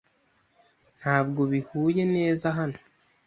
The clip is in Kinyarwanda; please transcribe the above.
Ntabwo bihuye neza hano.